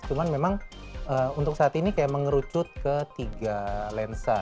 cuman memang untuk saat ini kayak mengerucut ke tiga lensa